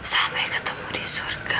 sampai ketemu di surga